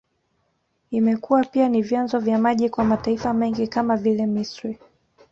Imekuwa pia ni vyanzo vya maji kwa mataifa mengi kama vile Misri